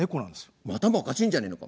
お前頭おかしいんじゃねえのか？